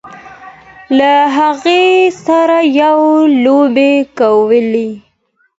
له هغوی سره یې لوبې کولې.